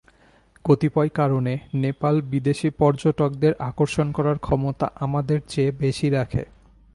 কতিপয় কারণে নেপাল বিদেশি পর্যটকদের আকর্ষণ করার ক্ষমতা আমাদের চেয়ে বেশি রাখে।